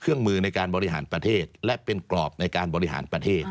เครื่องมือในการบริหารประเทศและเป็นกรอบในการบริหารประเทศ